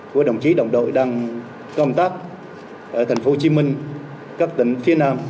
của đồng chí đồng đội đang công tác ở thành phố hồ chí minh các tỉnh phía nam